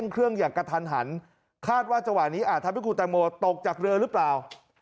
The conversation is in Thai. เครื่องอย่างกระทันหันคาดว่าจังหวะนี้อาจทำให้คุณแตงโมตกจากเรือหรือเปล่า